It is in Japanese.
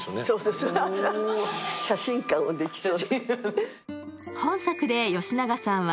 写真館ができそう。